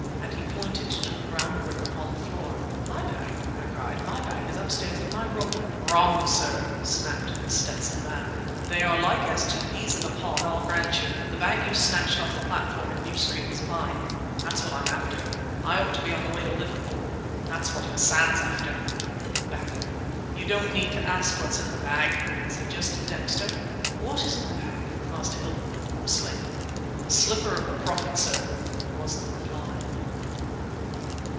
and he pointed to the brown grip upon the floor. "My bag!" I cried. "My bag is upstairs in my room." "Wrong, sir!" snapped The Stetson Man. "They are like as two peas in a pod, I'll grant you, but the bag you snatched off the platform at New Street was mine! That's what I'm after; I ought to be on the way to Liverpool. That's what Hassan's after!" "The bag!" "You don't need to ask what's in the bag?" suggested Dexter. "What is in the bag?" ask Hilton hoarsely. "The slipper of the Prophet, sir!" was the reply.